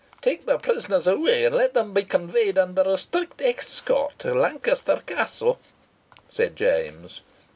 "Take the prisoners away, and let them be conveyed under a strict escort to Lancaster Castle," said James.